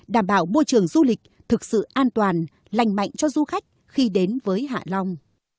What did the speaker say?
đảm bảo môi trường du lịch thực sự an toàn lành mạnh cho du khách khi đến với hạ long